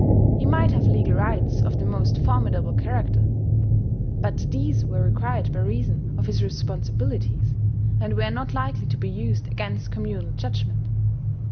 He might have legal rights of the most formidable character; but these were required by reason of his responsibilities, and were not likely to be used against communal judgment.